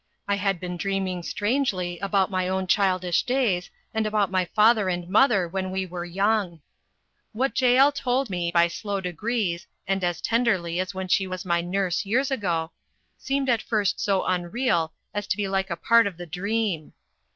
I had been dreaming strangely, about my own childish days, and about my father and mother when we were young. What Jael told me by slow degrees, and as tenderly as when she was my nurse years ago seemed at first so unreal as to be like a part of the dream.